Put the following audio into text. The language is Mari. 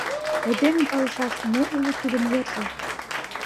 — Айдеме палышаш, мо уло тудын йырже.